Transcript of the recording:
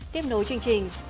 tiếp nối chương trình